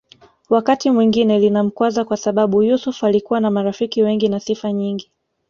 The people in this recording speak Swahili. Wakati mwingine linamkwaza kwasababu Yusuf alikuwa na marafiki wengi na sifa nyingi